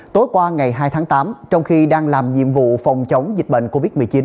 tối qua ngày hai tháng tám trong khi đang làm nhiệm vụ phòng chống dịch bệnh covid một mươi chín